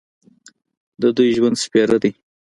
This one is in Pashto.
د دوی ژوند سپېره دی.